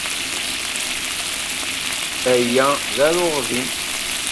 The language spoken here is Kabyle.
Aya d aruɣdim.